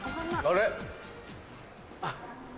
あれ？